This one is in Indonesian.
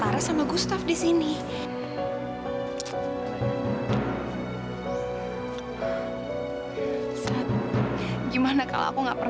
kamu anak kok di sini setangsil lu gak usah